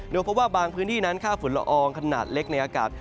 เพราะว่าบางพื้นที่นั้นค่าฝุ่นละอองขนาดเล็กในอากาศ